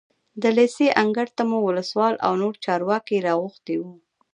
د لېسې انګړ ته مو ولسوال او نور چارواکي راغوښتي وو.